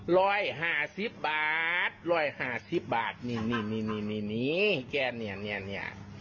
ร้อยห้าสิบบาทร้อยห้าสิบบาทนี่นี่นี่นี่แกเนี่ยเนี่ย